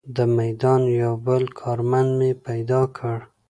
د میدان یو بل کارمند مې پیدا کړ.